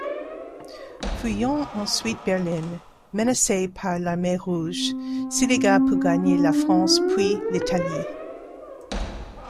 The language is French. Fuyant ensuite Berlin, menacée par l'Armée rouge, Ciliga peut gagner la France puis l'Italie.